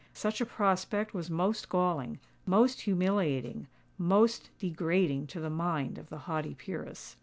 Such a prospect was most galling—most humiliating—most degrading to the mind of the haughty peeress.